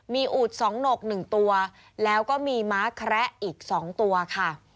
มีอูด๒หนก๑ตัวแล้วก็มีม้าแคระอีก๒ตัวค่ะ